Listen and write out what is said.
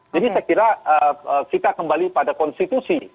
jadi saya kira kita kembali pada konstitusi